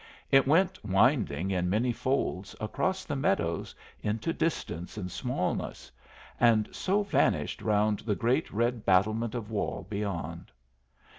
It went winding in many folds across the meadows into distance and smallness, and so vanished round the great red battlement of wall beyond.